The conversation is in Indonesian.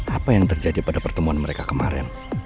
apa yang terjadi pada pertemuan mereka kemarin